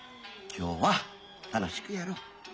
今日は楽しくやろう。